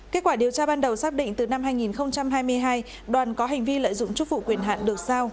kết quả điều tra ban đầu xác định từ năm hai nghìn hai mươi hai đoàn có hành vi lợi dụng chúc phụ quyền hạn được sao